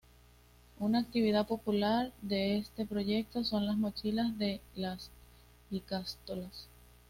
Una actividad popular de este proyecto son las "mochilas" de las ikastolas.